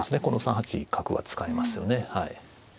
この３八角は使えますよね。